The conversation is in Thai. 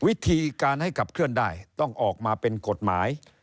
วิธีการให้ขับเคลื่อนได้ต้องออกมาเป็นกฎหมาย